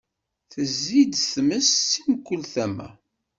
Tezzi-d tmes, si mkul tama.